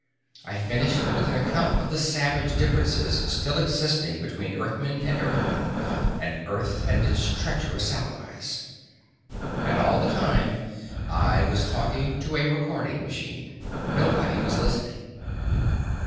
I finished with an account of the savage differences still existing between Earthman and Earthman, and Earth and its treacherous allies. And all the time I was talking to a recording machine. Nobody was listening.